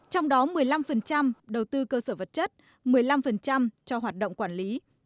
trong đó một mươi năm đầu tư cơ sở vật chất một mươi năm cho hoạt động quản lý